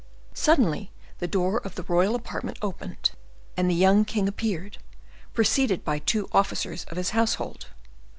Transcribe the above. Suddenly the door of the royal apartment opened, and the young king appeared, preceded by two officers of his household.